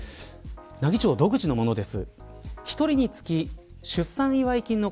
奈義町独自のものです。